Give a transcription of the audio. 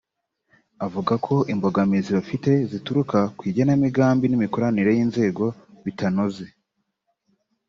avuga ko imbogamizi bafite zituruka ku igenamigambi n’imikoranire y’inzego bitanoze